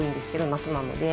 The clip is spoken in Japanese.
夏なので。